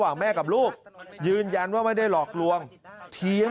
มันไม่ใช่สิเข้าใจว่าท่านคือคุณหรือใคร